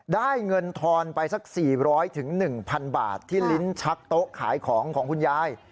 ได้เงินทอนไปสัก๔๐๐๑๐๐บาทที่ลิ้นชักโต๊ะขายของของคุณยาย